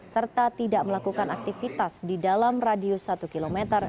serta tidak melakukan aktivitas di dalam radius satu km